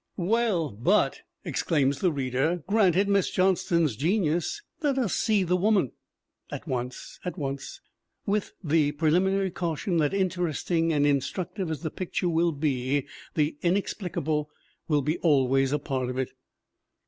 Well, but ! exclaims the reader, granted Miss John ston's genius, let us see the woman ! At once, at once ! with the preliminary caution that interesting and in structive as the picture will be the inexplicable will be always a part of it.